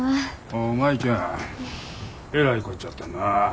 おう舞ちゃんえらいこっちゃったなぁ。